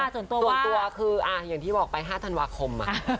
ส่วนตัวคืออย่างที่บอกไป๕ธันวาคม